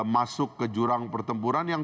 masuk ke jurang pertempuran yang